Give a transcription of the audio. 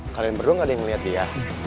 kalian berdua gak ada yang melihat dia